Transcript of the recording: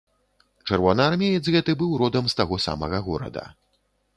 Чырвонаармеец гэты быў родам з таго самага горада.